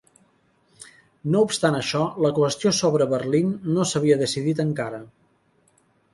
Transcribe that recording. No obstant això, la qüestió sobre Berlín no s'havia decidit encara.